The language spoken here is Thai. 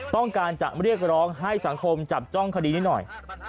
ต้องการจะเรียกร้องให้สังคมจับจ้องคดีนี้หน่อย